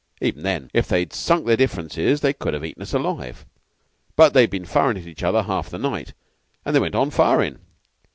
Even then, if they'd sunk their differences, they could have eaten us alive; but they'd been firin' at each other half the night, and they went on firin'.